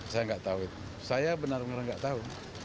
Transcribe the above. saya tidak tahu saya benar benar tidak tahu